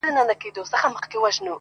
اوس هغه خلک هم لوڅي پښې روان دي!.